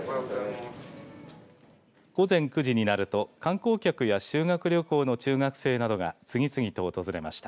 午前９時になると観光客や修学旅行の中学生などが次々と訪れました。